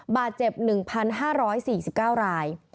บาดเจ็บ๑๕๔๙ราย